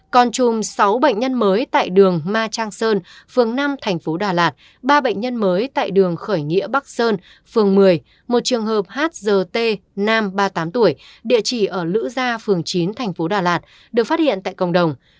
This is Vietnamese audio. còn chùm sáu bệnh nhân mới tại đường ma trang sơn phường năm thành phố đà lạt ba bệnh nhân mới tại đường khởi nghĩa bắc sơn phường một mươi một trường hợp hgt nam ba mươi tám tuổi địa chỉ ở lữ gia phường chín thành phố đà lạt được phát hiện tại cộng đồng